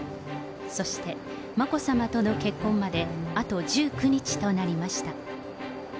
そして、眞子さまとの結婚まであと１９日となりました。